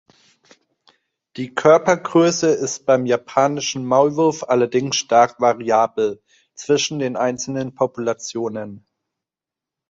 Die Körpergröße ist beim Japanischen Maulwurf allerdings stark variabel zwischen den einzelnen Populationen.